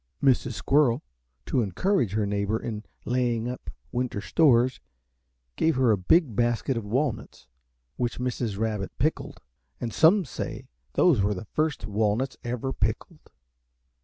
Mrs. Squirrel, to encourage her neighbor in laying up winter stores, gave her a big basketful of walnuts which Mrs. Rabbit pickled, and some say those were the first walnuts ever pickled.